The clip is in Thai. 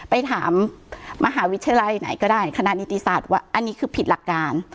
ไปถามมหาวิทยาลัยไหนก็ได้คณะนิติศาสตร์ว่าอันนี้คือผิดหลักการ